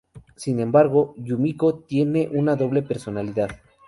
Sin embargo, Yumiko tiene una doble-personalidad.